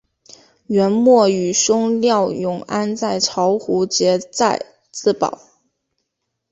元末与兄廖永安在巢湖结寨自保。